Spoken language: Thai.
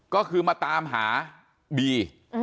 ก็คือมาตามหาบี